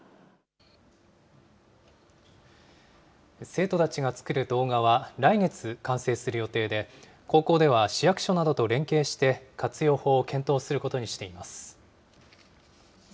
生徒たちが作る動画は、来月完成する予定で、高校では市役所などと連携して、活用法を検討することにしています。